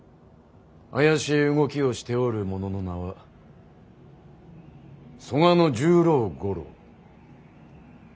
怪しい動きをしておる者の名は曽我十郎五郎。